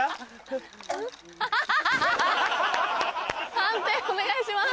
判定お願いします。